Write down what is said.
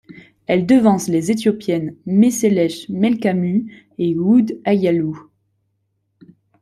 Elle devance les Éthiopiennes Meselech Melkamu et Wude Ayalew.